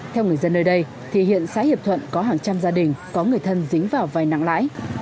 theo người dân nơi đây thì hiện xã hiệp thuận có hàng trăm gia đình có người thân dính vào vai nặng lãi